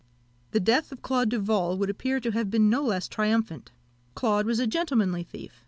The death of Claude Duval would appear to have been no less triumphant. Claude was a gentlemanly thief.